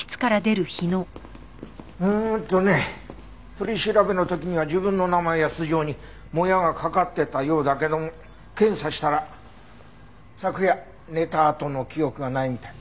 うーんとね取り調べの時には自分の名前や素性にモヤがかかってたようだけども検査したら昨夜寝たあとの記憶がないみたい。